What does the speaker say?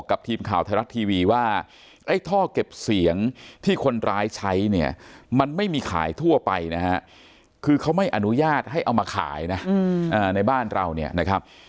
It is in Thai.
ไอ้ท่อเก็บเสียงที่คนร้ายใช้เนี่ยมันไม่มีขายทั่วไปนะฮะคือเขาไม่อนุญาตให้เอามาขายนะในบ้านเราเนี่ยนะครับ